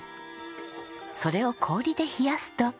それを氷で冷やすと。